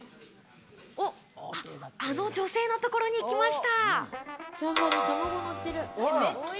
あの女性のところに行きました。